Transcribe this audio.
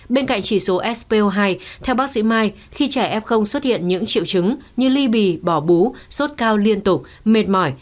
bên cạnh chỉ số spo hai theo bác sĩ mai khi trẻ f xuất hiện những triệu chứng như ly bì bỏ bú sốt cao liên tục mệt mỏi